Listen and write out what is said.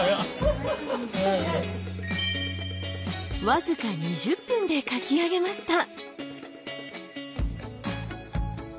僅か２０分で描き上げました。